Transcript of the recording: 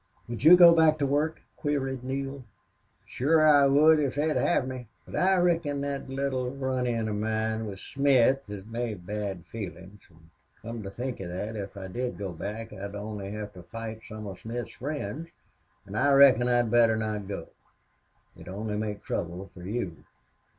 "Would you go back to work?" queried Neale. "Shore I would if they'd have me. But I reckon thet little run in of mine with Smith has made bad feelin'. An' come to think of thet, if I did go back I'd only have to fight some of Smith's friends. An' I reckon I'd better not go. It'd only make trouble for you."